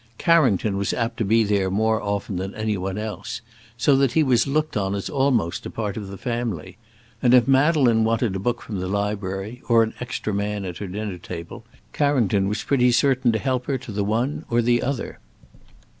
Carrington was apt to be there more often than any one else, so that he was looked on as almost a part of the family, and if Madeleine wanted a book from the library, or an extra man at her dinner table, Carrington was pretty certain to help her to the one or the other.